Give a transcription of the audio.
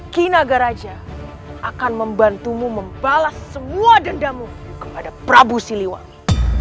kinagaraja akan membantumu membalas semua dendamu kepada prabu siliwangi